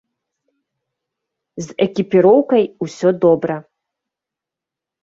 З экіпіроўкай усё добра.